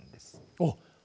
あっ！